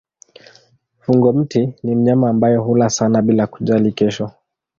Fungo-miti ni mnyama ambaye hula sana bila kujali kesho.